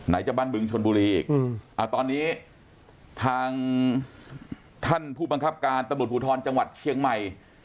จะบ้านบึงชนบุรีอีกตอนนี้ทางท่านผู้บังคับการตำรวจภูทรจังหวัดเชียงใหม่